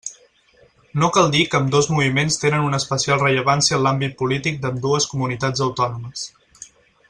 No cal dir que ambdós moviments tenen una especial rellevància en l'àmbit polític d'ambdues comunitats autònomes.